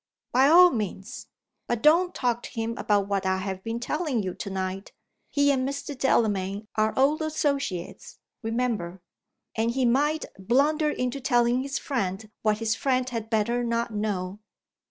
"By all means! But don't talk to him about what I have been telling you to night. He and Mr. Delamayn are old associates, remember; and he might blunder into telling his friend what his friend had better not know.